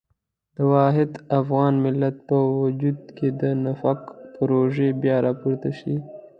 د واحد افغان ملت په وجود کې د نفاق پروژې بیا راپورته شي.